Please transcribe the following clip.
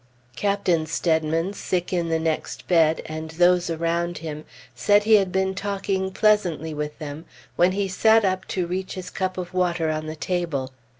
Captain Steadman, sick in the next bed, and those around him, said he had been talking pleasantly with them, when he sat up to reach his cup of water on the table.